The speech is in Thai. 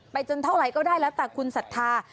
ไปจนเท่าไหร่ก็ได้แล้วต่างคุณสัทธา